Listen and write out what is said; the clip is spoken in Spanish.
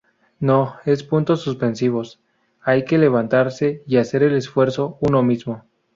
No, es puntos suspensivos… hay que levantarse y hacer el esfuerzo uno mismo.